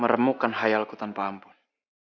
meremukkan hayalku tanpa ampun